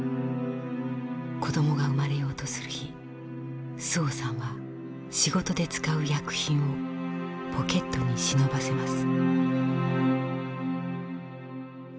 子供が生まれようとする日周防さんは仕事で使う薬品をポケットに忍ばせます。